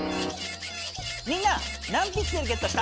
みんな何ピクセルゲットした？